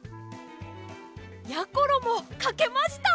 やころもかけました！